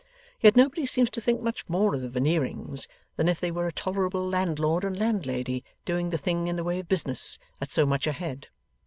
Yet nobody seems to think much more of the Veneerings than if they were a tolerable landlord and landlady doing the thing in the way of business at so much a head.